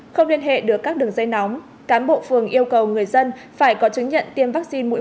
không liên hệ được các đường dây nóng cán bộ phường yêu cầu người dân phải có chứng nhận tiêm vaccine mũi